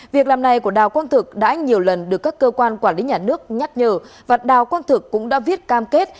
việc làm này của đào quang thực đã nhiều lần được các cơ quan quản lý nhà nước nhắc nhở và đào quang thực cũng đã viết cam kết